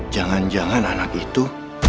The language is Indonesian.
jangan jangan anak itu